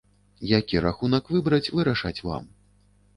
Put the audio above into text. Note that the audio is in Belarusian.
Які рахунак выбраць, вырашаць вам.